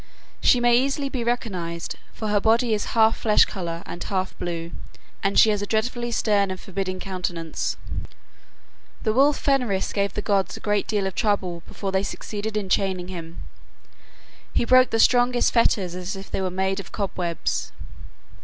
She may easily be recognized, for her body is half flesh color and half blue, and she has a dreadfully stern and forbidding countenance. The wolf Fenris gave the gods a great deal of trouble before they succeeded in chaining him. He broke the strongest fetters as if they were made of cobwebs.